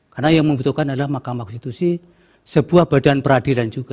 karena yang membutuhkan adalah mahkamah konstitusi sebuah badan peradilan juga